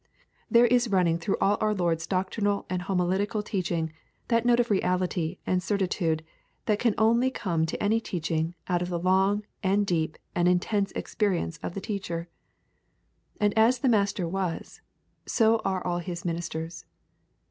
There is running through all our Lord's doctrinal and homiletical teaching that note of reality and of certitude that can only come to any teaching out of the long and deep and intense experience of the teacher. And as the Master was, so are all His ministers.